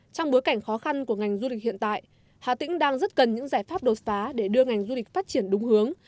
trong bối cảnh khó khăn của ngành du lịch hiện tại hà tĩnh đang rất cần những giải pháp đột phá để đưa ngành du lịch phát triển đúng hướng